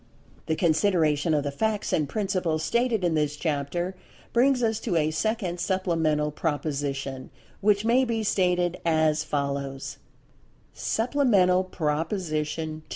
The consideration of the facts and principles stated in this chapter brings us to a second Supplemental Proposition, which may be stated as follows: Supplemental Proposition II.